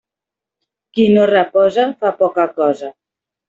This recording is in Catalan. Qui no reposa, fa poca cosa.